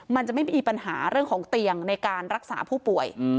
มันจะไม่มีปัญหาเรื่องของเตียงในการรักษาผู้ป่วย